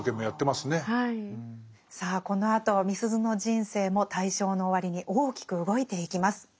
さあこのあとみすゞの人生も大正の終わりに大きく動いていきます。